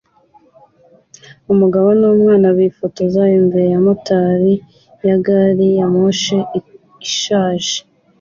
Umugabo n'umwana bifotoza imbere ya moteri ya gari ya moshi ishaje